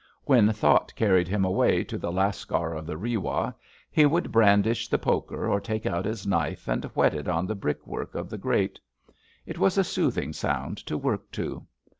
When thought carried him away to the lascar of the Rewah, he would brandish the poker or take out his knife and whet it on the brickwork of the grate. It was a soothing sound to work to.